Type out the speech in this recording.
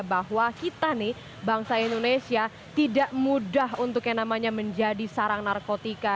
bahwa kita bangsa indonesia tidak mudah untuk menjadi sarang narkotika